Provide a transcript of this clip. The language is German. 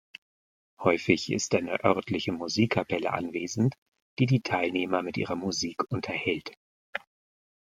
Häufig ist eine örtliche Musikkapelle anwesend, die die Teilnehmer mit ihrer Musik unterhält.